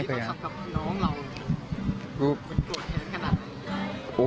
สิ่งที่สำคัญกับน้องเรา